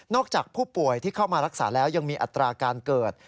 จากผู้ป่วยที่เข้ามารักษาแล้วยังมีอัตราการเกิด